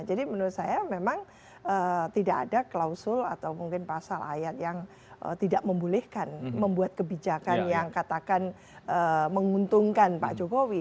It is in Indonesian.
menurut saya memang tidak ada klausul atau mungkin pasal ayat yang tidak membolehkan membuat kebijakan yang katakan menguntungkan pak jokowi